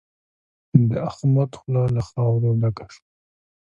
د احمد خوله له خاورو ډکه شوه.